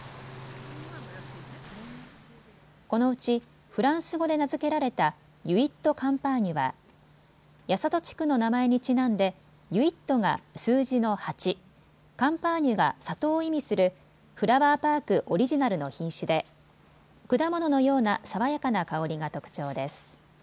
このうちフランス語で名付けられたユイット・カンパーニュは八郷地区の名前にちなんでユイットが数字の８、カンパーニュがさとを意味するフラワーパーク、オリジナルの品種で果物のような爽やかな香りが特徴です。